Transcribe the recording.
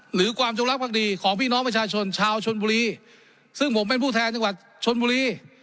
หรือความจงรักภักดีของพี่น้องประชาชนชาวชนบุรีซึ่งผมเป็นผู้แทนจังหวัดชนบุรี